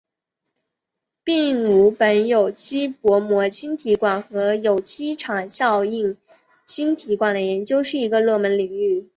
并五苯有机薄膜晶体管和有机场效应晶体管的研究是一个热门领域。